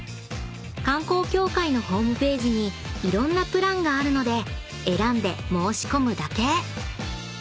［観光協会のホームページにいろんなプランがあるので選んで申し込むだけ］